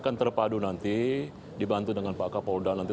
keliling kapal ini